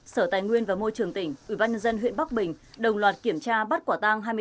sở tài nguyên và môi trường tỉnh ủy ban nhân dân huyện bắc bình đồng loạt kiểm tra bắt quả tăng